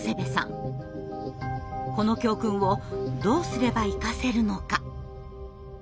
この教訓をどうすれば生かせるのか。